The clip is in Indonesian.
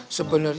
iya tujuannya apa